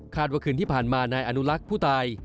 ว่าคืนที่ผ่านมานายอนุลักษ์ผู้ตาย